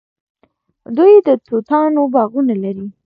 دوی د توتانو باغونه لري.